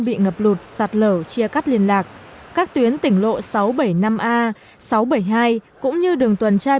bị ngập lụt sạt lở chia cắt liên lạc các tuyến tỉnh lộ sáu trăm bảy mươi năm a sáu trăm bảy mươi hai cũng như đường tuần tra